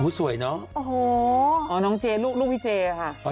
อู้ยสวยนะโอ้โฮน้องเจลูกพี่เจค่ะ